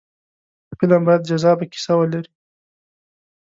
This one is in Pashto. فلم باید جذابه کیسه ولري